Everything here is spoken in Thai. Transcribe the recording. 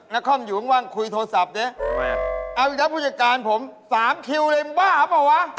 นักความอยู่วังคุยโทรศัพท์เนี่ยเอ้าพุทธการผม๓คิวเลยมึงบ้าป่ะหวะ